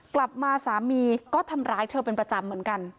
สามีก็ทำร้ายเธอเป็นประจำเหมือนกัน